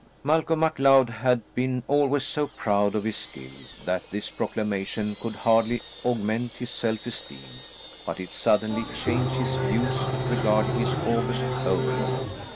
Malcolm MacLeod had been always so proud of his skill that this proclamation could hardly augment his self esteem, but it suddenly changed his views regarding his august overlord.